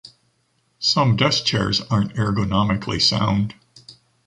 Some desk chairs aren’t ergonomically sound.